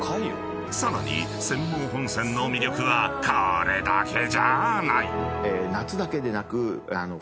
［さらに釧網本線の魅力はこれだけじゃない！］